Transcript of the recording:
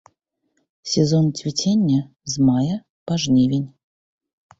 Сезон цвіцення з мая па жнівень.